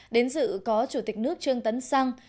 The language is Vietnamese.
đến dự có chủ tịch nước trương tấn sang